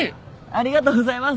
ありがとうございます！